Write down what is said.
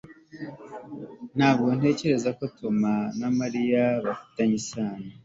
Ntabwo ntekereza ko Tom na Mariya bafitanye isano